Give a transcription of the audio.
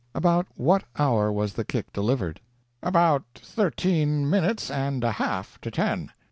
"About what hour was the kick delivered?" "About thirteen minutes and a half to ten."